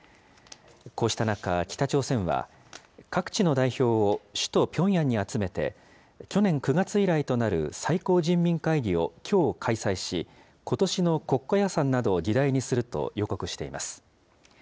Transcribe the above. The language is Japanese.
こうした中、北朝鮮は各地の代表を首都ピョンヤンに集めて、去年９月以来となる最高人民会議をきょう開催し、ことしの国家予算などを議題にすると予告しています。